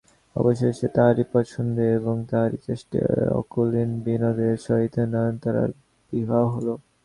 অবশেষে তাঁহারই পছন্দে এবং তাঁহারই চেষ্টায় অকুলীন বিনোদের সহিত নয়নতারার বিবাহ হয়।